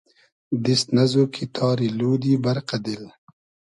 دیست نئزو کی تاری لودی بئرقۂ دیل